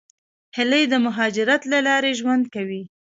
هیلۍ د مهاجرت له لارې ژوند کوي